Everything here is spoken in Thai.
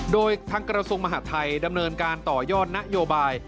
โดยทางกระทรวงมหาทัยดำเนินการต่อยอดนโยบาย